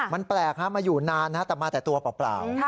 มันแปลกมาอยู่นานแต่มาแต่ตัวเปล่า